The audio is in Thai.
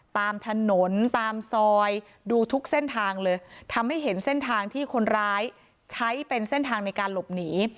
ตามถนนตามซอยดูทุกเส้นทางเลยทำให้เห็นเส้นทางที่คนร้ายใช้เป็นเส้นทางในการหลบหนี